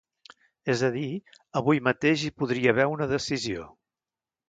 És a dir, avui mateix hi podria haver una decisió.